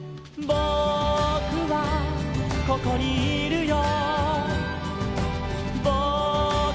「ぼくはここにいるよ」